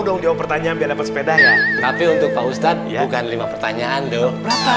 dong jawab pertanyaan biar sepeda tapi untuk faustan bukan lima pertanyaan doh